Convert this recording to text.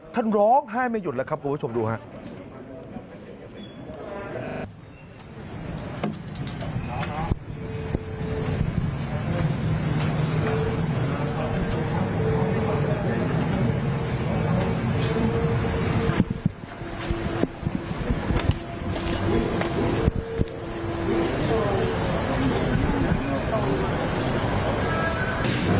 ท่านร้องไห้ไม่หยุดแล้วครับคุณผู้ชมดูครับ